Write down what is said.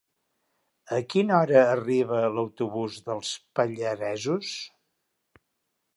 A quina hora arriba l'autobús dels Pallaresos?